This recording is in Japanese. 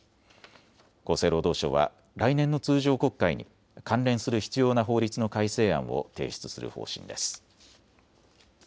厚生労働省は来年の通常国会に関連する必要な法律の改正案を提出する方針です。